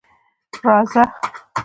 _راځه.